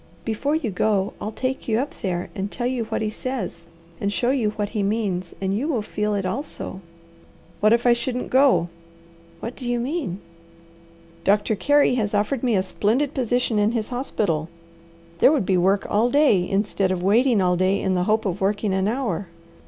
Before you go, I'll take you up there and tell you what he says, and show you what he means, and you will feel it also." "What if I shouldn't go?" "What do you mean?" "Doctor Carey has offered me a splendid position in his hospital. There would be work all day, instead of waiting all day in the hope of working an hour.